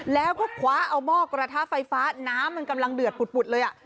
แล้วก็คว้าเอาหม้อกระทะไฟฟ้าน้ำมันกำลังเดือดปุดเลย